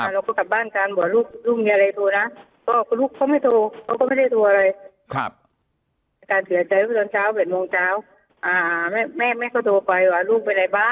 แล้วก็กลับบ้านกันบอกว่าลูกลูกมีอะไรโทรนะก็ลูกเค้าไม่โทรเค้าก็ไม่ได้โทรอะไร